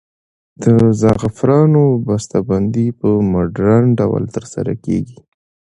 د زعفرانو بسته بندي په مډرن ډول ترسره کیږي.